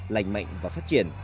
lành mạnh và phát triển